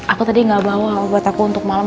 aku tadi gak bawa buat aku untuk malam